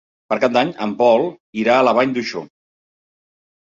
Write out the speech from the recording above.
Per Cap d'Any en Pol irà a la Vall d'Uixó.